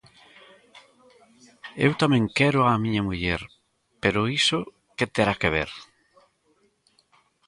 Eu tamén quero a miña muller, pero iso que terá que ver!